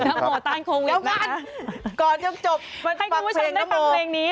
ให้คุณผู้ชมได้ฟังเพลงนี้